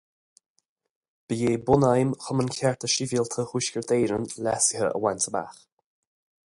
Ba é bunaidhm Chumann Chearta Sibhialta Thuaisceart Éireann leasuithe a bhaint amach.